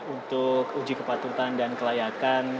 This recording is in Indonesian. untuk uji kepatutan dan kelayakan